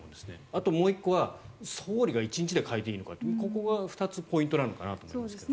あともう１個、総理が１日で変えていいのかというここが２つポイントなのかなと思いますが。